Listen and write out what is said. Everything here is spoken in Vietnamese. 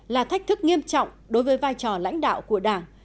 là thách thức nghiêm trọng đối với vai trò lãnh đạo của đảng